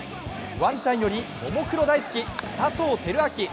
ワンちゃんよりももクロ大好き佐藤。